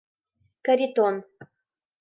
Каритон.